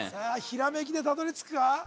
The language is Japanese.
ひらめきでたどり着くか？